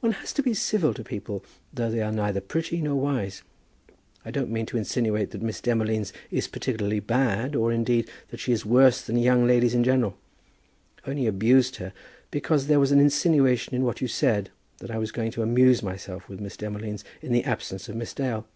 "One has to be civil to people though they are neither pretty nor wise. I don't mean to insinuate that Miss Demolines is particularly bad, or indeed that she is worse than young ladies in general. I only abused her because there was an insinuation in what you said, that I was going to amuse myself with Miss Demolines in the absence of Miss Dale.